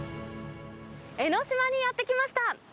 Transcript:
江の島にやって来ました。